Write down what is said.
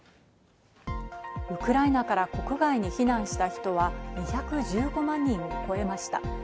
ウクライナから国外に避難した人は２１５万人を超えました。